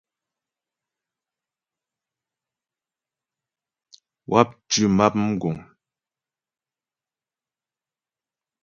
Wáp tʉ́ map mgùŋ.